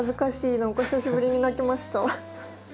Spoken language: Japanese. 何か久しぶりに泣きました。